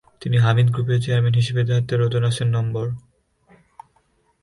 তিনি হামিদ গ্রুপের চেয়ারম্যান হিসেবে দায়িত্বরত আছেনম্বর।